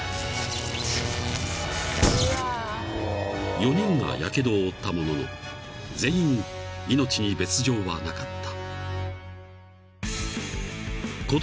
［４人がやけどを負ったものの全員命に別条はなかった］